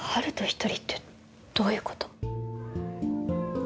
一人ってどういうこと？